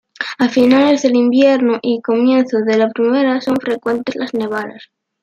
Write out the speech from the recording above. A finales del invierno y comienzo de la primavera son frecuentes las nevadas.